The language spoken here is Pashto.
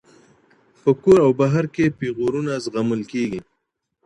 په کور او بهر کې پيغورونه زغمل کيږي.